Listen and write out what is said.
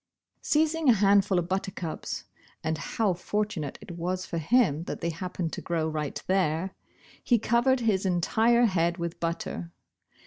Seizing a handful of buttercups (and how fortunate it was for him that they happened to grow right there) he covered his entire head with butter.